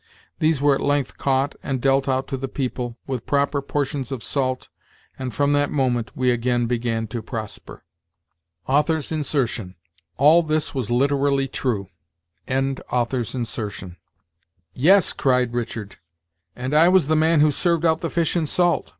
These were at length caught and dealt out to the people, with proper portions of salt, and from that moment we again began to prosper." All this was literally true. "Yes," cried Richard, "and I was the man who served out the fish and salt.